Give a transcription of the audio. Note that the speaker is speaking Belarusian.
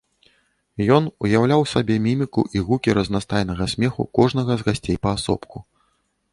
Ён уяўляў сабе міміку і гукі разнастайнага смеху кожнага з гасцей паасобку.